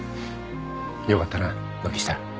よかったな軒下。